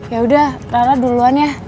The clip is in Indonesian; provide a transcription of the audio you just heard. ya udah lala duluan ya